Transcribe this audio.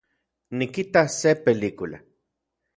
Nikitas se película